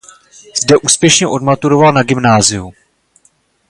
Zde úspěšně odmaturoval na gymnáziu.